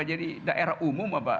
jadi daerah umum apa